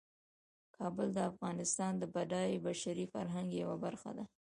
کابل د افغانستان د بډایه بشري فرهنګ یوه برخه ده.